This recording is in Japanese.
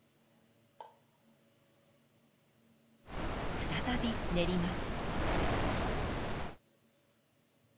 再び練ります。